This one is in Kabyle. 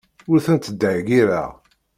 Ur tent-ttḍeyyireɣ.